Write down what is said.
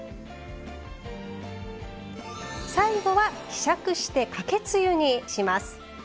最後は希釈してかけつゆにします。